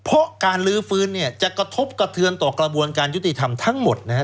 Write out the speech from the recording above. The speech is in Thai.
เพราะการลื้อฟื้นเนี่ยจะกระทบกระเทือนต่อกระบวนการยุติธรรมทั้งหมดนะฮะ